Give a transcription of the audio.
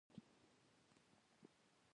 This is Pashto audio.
شپون د کلي رمه پیایي.